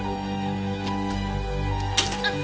あっ！